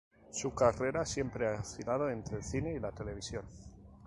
Su carrera siempre ha oscilado entre el cine y la televisión.